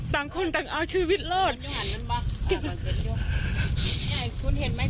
ต่างคนต่างอาชีวิตโลศอยู่หันนั้นบ้างอ่ะก่อนเกิดอยู่คุณเห็นไหม